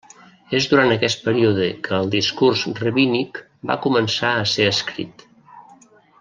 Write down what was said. És durant aquest període que el discurs rabínic va començar a ser escrit.